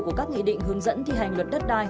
của các nghị định hướng dẫn thi hành luật đất đai